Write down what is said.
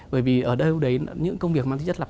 bởi vì ở đâu đấy những công việc mang tính chất lập